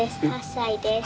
８歳です。